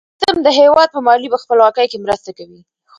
دا سیستم د هیواد په مالي خپلواکۍ کې مرسته کوي.